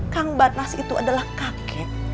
kang badnas itu adalah kakek